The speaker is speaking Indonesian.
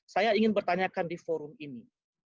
saya ingin bertanyakan di forum ini